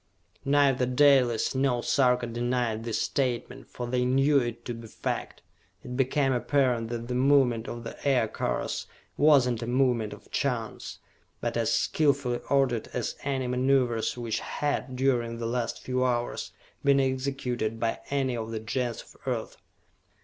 Neither Dalis nor Sarka denied this statement, for they knew it to be fact. It became apparent that the movement of the Aircars was not a movement of chance, but as skillfully ordered as any maneuvers which had, during the last few hours, been executed by any of the Gens of Earth.